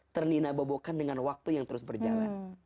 ternina bobokan dengan waktu yang terus berjalan